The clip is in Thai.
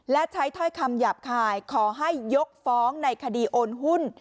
และใช้ถ้อยคำหยาบคายขอให้ยกฟ้องในคดีโอนหุ้น